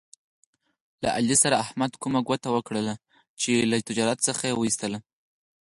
له علي سره احمد کومه ګوته وکړله، چې له تجارت څخه یې و ایستلا.